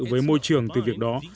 với môi trường từ việc đó